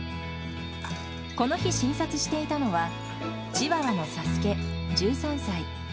この日、診察していたのは、チワワのサスケ１３歳。